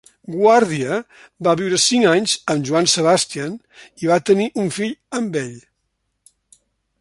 Guardia va viure cinc anys amb Joan Sebastian i va tenir un fill amb ell.